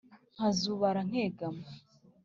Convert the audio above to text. nkazubara nkegama